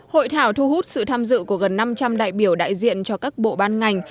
hội thảo thu hút sự tham dự của gần năm trăm linh đại biểu đại diện cho các bộ ban ngành